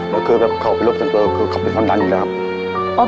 ก็คือแบบเขาเป็นโรคส่วนตัวคือเขาเป็นความดันอยู่แล้วครับ